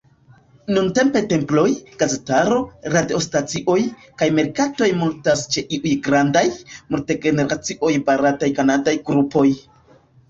Nuntempe temploj, gazetaro, radiostacioj, kaj merkatoj multas ĉe iuj grandaj, mult-generaciaj barat-kanadaj grupoj.